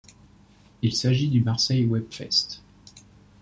Il s'agit du Marseille Web Fest.